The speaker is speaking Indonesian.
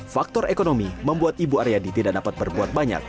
faktor ekonomi membuat ibu aryadi tidak dapat berbuat banyak